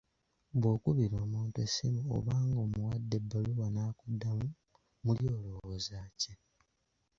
Bw'okubira omuntu essimu oba ng'omuwadde ebbaluwa n'atakuddamu, muli olowooza ki?